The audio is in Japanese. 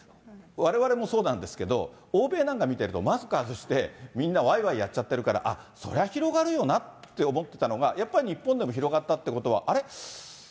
われわれもそうなんですけど、欧米なんか見てると、マスク外して、みんなわいわいやっちゃってるから、あっ、そりゃ広がるよなって思ってたのが、やっぱり日本でも広がったということは、あれ？